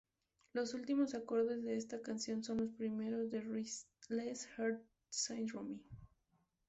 Los últimos acordes de esta canción son los primeros de "Restless Heart Syndrome".